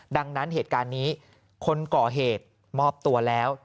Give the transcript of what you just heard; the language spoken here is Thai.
ดังนั้นเหตุการณ์นี้คนก่อเหตุมอบตัวแล้ว